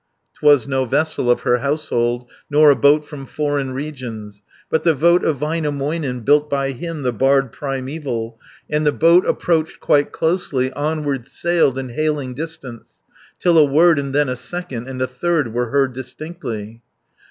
'Twas no vessel of her household, Nor a boat from foreign regions, But the boat of Väinämöinen, Built by him, the bard primeval, 100 And the boat approached quite closely, Onward sailed in hailing distance, Till a word, and then a second, And a third were heard distinctly.